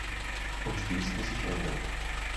Und dies muss sich ändern.